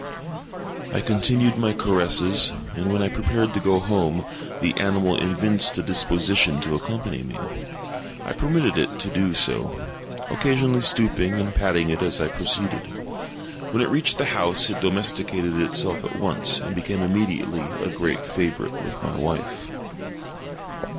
I continued my caresses, and, when I prepared to go home, the animal evinced a disposition to accompany me. I permitted it to do so; occasionally stooping and patting it as I proceeded. When it reached the house it domesticated itself at once, and became immediately a great favorite with my wife.